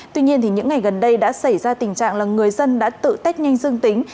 tuy nhiên những ngày gần đây đã xảy ra tình trạng là người dân đã tự test nhanh dương tính